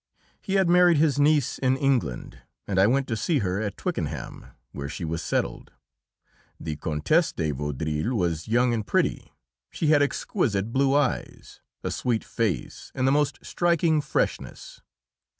He had married his niece in England, and I went to see her at Twickenham, where she was settled. The Countess de Vaudreuil was young and pretty. She had exquisite blue eyes, a sweet face, and the most striking freshness.